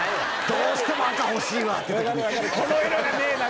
どうしても赤欲しいわって時に。